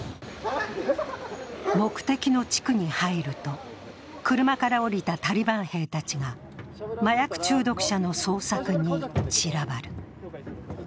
目的の地区に入ると、車から降りたタリバン兵たちが麻薬中毒者の捜索に散らばる。